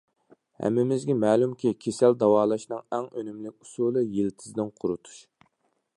ھەممىمىزگە مەلۇمكى، كېسەل داۋالاشنىڭ ئەڭ ئۈنۈملۈك ئۇسۇلى يىلتىزىدىن قۇرۇتۇش.